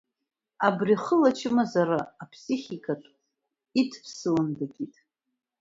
Абри хыла ачымазара аԥсихикатә иды-ԥсылан дакит.